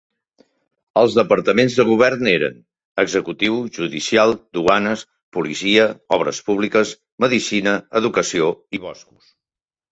Els departaments de govern eren: executiu, judicial, duanes, policia, obres públiques, medicina, educació i boscos.